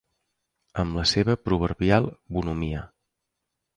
Amb la seva proverbial bonhomia.